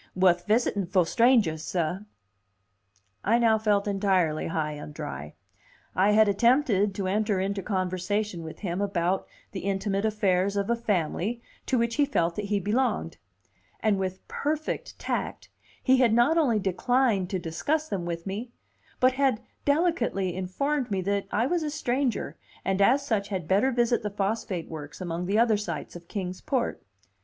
Wuth visitin' fo' strangers, sah." I now felt entirely high and dry. I had attempted to enter into conversation with him about the intimate affairs of a family to which he felt that he belonged; and with perfect tact he had not only declined to discuss them with me, but had delicately informed me that I was a stranger and as such had better visit the phosphate works among the other sights of Kings Port.